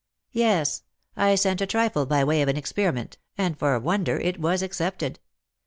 " Yes. I sent a trifle by way of an experiment ; and for a wonder it was accepted.